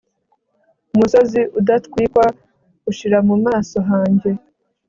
umusozi udatwikwa ushira mu maso hanjye